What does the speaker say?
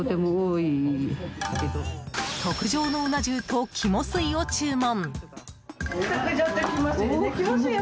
特上のうな重と肝吸いを注文。